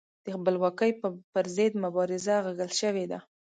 د بلواکۍ پر ضد مبارزه اغږل شوې ده.